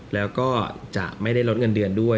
แล้วก็จะไม่ได้ลดเงินเดือนด้วย